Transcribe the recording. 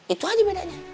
itu aja bedanya